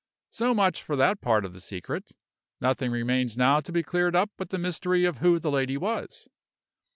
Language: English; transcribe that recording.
So much for that part of the secret. Nothing remains now to be cleared up but the mystery of who the lady was.